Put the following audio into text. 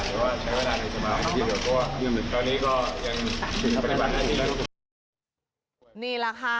จะว่าใช้เวลาไหลเซ็บันเดี๋ยวก็ว่าตอนนี้ก็นี่ล่ะค่ะ